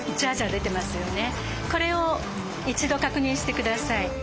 これを一度確認してください。